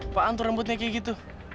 apaan tuh rambutnya kayak gitu